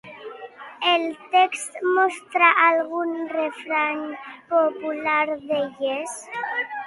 El text mostra algun refrany popular d'elles?